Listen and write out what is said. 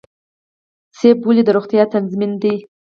مڼه ولې د روغتیا تضمین ده؟